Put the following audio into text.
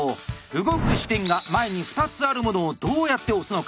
動く支点が前に２つあるものをどうやって押すのか。